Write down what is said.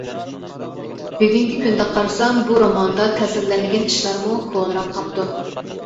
بۈگۈنكى كۈندە قارىسام، بۇ روماندا تەسۋىرلەنگەن ئىشلارمۇ كونىراپ قاپتۇ.